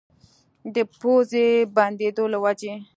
د پوزې بندېدو له وجې